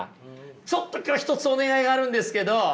ちょっと今日一つお願いがあるんですけど。